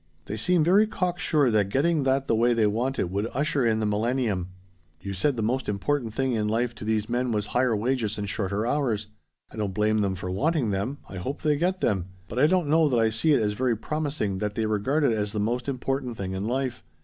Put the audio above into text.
They seem very cocksure that getting that the way they want it would usher in the millennium. You said the most important thing in life to these men was higher wages and shorter hours. I don't blame them for wanting them I hope they get them but I don't know that I see it as very promising that they regard it as the most important thing in life.